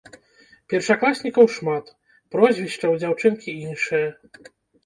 Першакласнікаў шмат, прозвішча ў дзяўчынкі іншае.